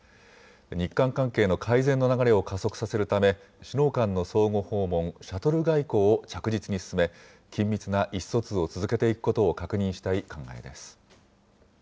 日韓関係の改善の流れを加速させるため、首脳間の相互訪問、シャトル外交を着実に進め、緊密な意思疎通を続けていくことを確認したい考えです。